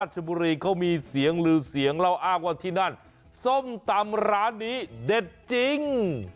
ชบุรีเขามีเสียงลือเสียงเล่าอ้างว่าที่นั่นส้มตำร้านนี้เด็ดจริง